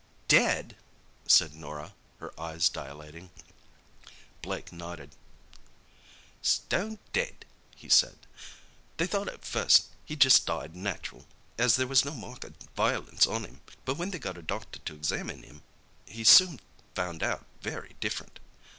"Dead!" said Norah, her eyes dilating. Blake nodded. "Stone dead," he said. "They thought at first he'd just died natural, as there was no mark o' violence on 'im, but when they got a doctor to examine 'im he soon found out very different.